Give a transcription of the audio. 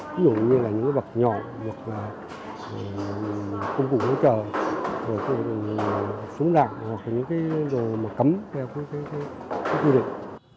ví dụ như là những vật nhỏ công cụ hỗ trợ súng đạn hoặc những đồ cấm theo quy định